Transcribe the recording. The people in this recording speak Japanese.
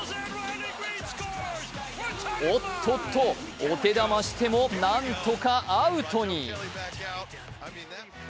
おっとっと、お手玉してもなんとかアウトに。